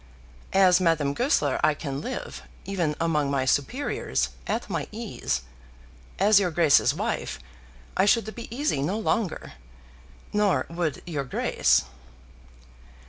As Madame Goesler I can live, even among my superiors, at my ease. As your Grace's wife, I should be easy no longer; nor would your Grace.